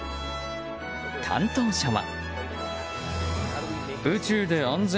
担当者は。